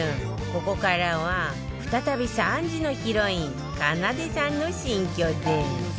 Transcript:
ここからは再び３時のヒロインかなでさんの新居で